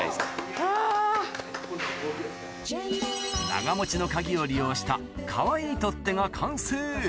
長持の鍵を利用したかわいい取っ手が完成